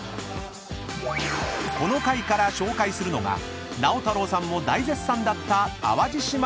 ［この回から紹介するのが直太朗さんも大絶賛だった］